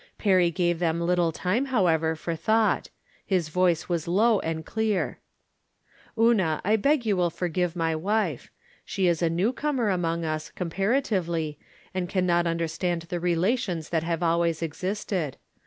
Perry gave them little time, however, for thought. His Toice was low and clear :" Una, I beg you will forgive my wife. She is a new comer among us, comparatively, and can not understand the relations that have always existed.